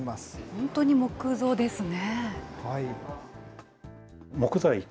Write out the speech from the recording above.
本当に木造ですね。